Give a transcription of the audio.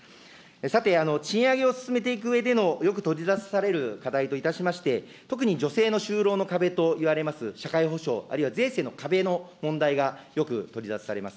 さて、賃上げを進めていくうえでの、よく取り沙汰される課題といたしまして、特に女性の就労の壁といわれます社会保障、あるいは税制の壁の問題がよく取り沙汰されます。